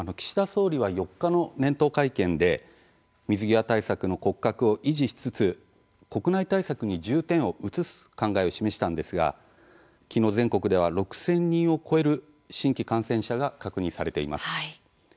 岸田総理は４日の年頭会見で水際対策の骨格を維持しつつ国内対策に重点を移す考えを示しましたがきのう全国で６０００人を超える新規感染者が確認されています。